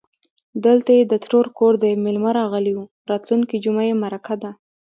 _دلته يې د ترور کور دی، مېلمه راغلی و. راتلونکې جومه يې مرکه ده.